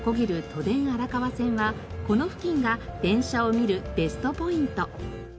都電荒川線はこの付近が電車を見るベストポイント。